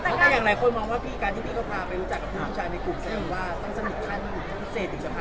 แต่อย่างหลายคนมองว่าพี่การที่พี่เขาพาไปรู้จักกับผู้หญิงผู้ชายในกลุ่มแซมว่าต้องสนิทขั้นอยู่ที่พิเศษหรือจะพาไป